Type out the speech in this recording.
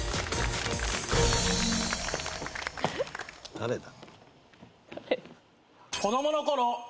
誰だ？